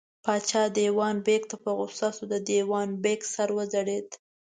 پاچا دېوان بېګ ته په غوسه شو، د دېوان بېګ سر وځړېد.